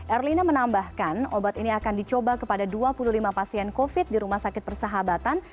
erlina menambahkan obat ini akan dicoba kepada dua puluh lima pasien covid di rumah sakit persahabatan